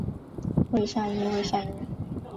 未上映未上映